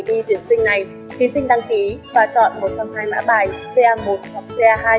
kỳ thi tuyển sinh này thí sinh đăng ký và chọn một trong hai mã bài ca một hoặc ca hai